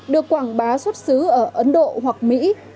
được quảng bá xuất xứ ở ấn độ hoặc mỹ